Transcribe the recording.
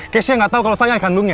keisha gak tau kalau saya kandungnya